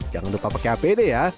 jangan lupa pakai apd ya